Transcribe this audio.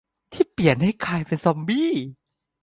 ที่เปลี่ยนให้กลายเป็นซอมบี้